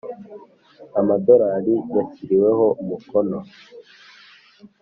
Amadolari yashyiriweho umukono